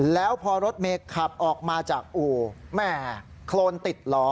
แล้วพอรถเมฆขับออกมาจากอู่แม่โครนติดล้อ